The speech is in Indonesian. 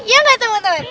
iya gak teman teman